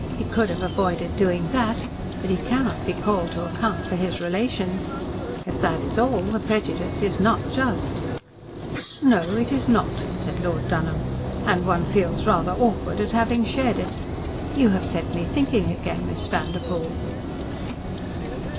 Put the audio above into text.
"He could have avoided doing that but he cannot be called to account for his relations. If that is all the prejudice is NOT just." "No, it is not," said Lord Dunholm, "and one feels rather awkward at having shared it. You have set me thinking again, Miss Vanderpoel."